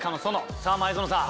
さあ前園さん